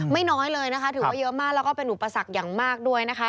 น้อยเลยนะคะถือว่าเยอะมากแล้วก็เป็นอุปสรรคอย่างมากด้วยนะคะ